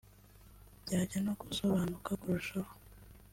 Byajya no gusobanuka kurushaho